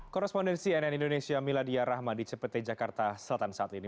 korrespondensi nn indonesia mila diyarahma di cipete jakarta selatan saat ini